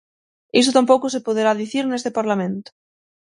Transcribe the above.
Iso tampouco se poderá dicir neste Parlamento.